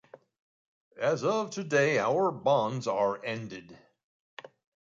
As of today our bonds are ended.